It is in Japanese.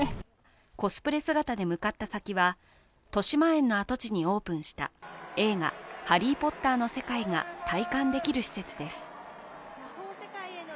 コスプレ姿で向かった先は、としまえんの跡地にオープンした映画「ハリー・ポッター」の世界が体感できる施設です。